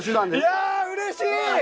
いやうれしい！